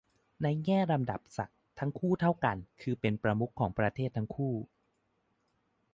ในแง่ลำดับศักดิ์ ทั้งคู่เท่ากัน คือเป็นประมุขของประเทศทั้งคู่